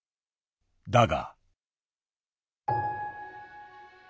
だが。